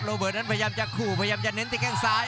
เบิร์ดนั้นพยายามจะขู่พยายามจะเน้นที่แข้งซ้าย